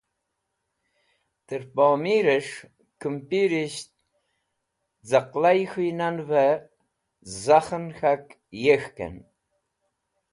Tẽr pomirẽs̃h kũmpirish caqlay khũynanvẽ zẽkhen k̃hak yek̃hkẽn.